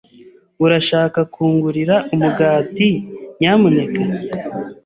Urashaka kungurira umugati, nyamuneka?